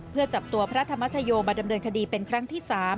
เพื่อจับตัวพระธรรมชโยมาดำเนินคดีเป็นครั้งที่๓